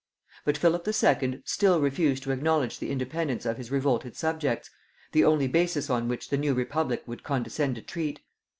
But Philip II. still refused to acknowledge the independence of his revolted subjects, the only basis on which the new republic would condescend to treat.